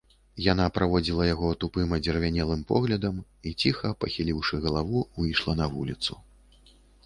Яна праводзіла яго тупым адзервянелым поглядам і ціха, пахіліўшы галаву, выйшла на вуліцу.